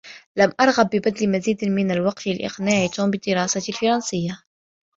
لم أرغب ببذل مزيد من الوقت لإقناع توم بدراسة الفرنسية.